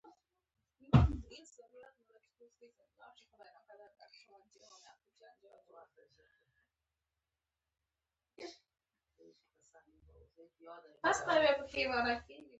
د شبکې په اره یې ټوټې ټوټې غوڅ کړئ په پښتو کې.